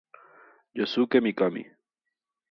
Yosuke Mikami